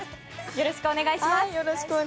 よろしくお願いします。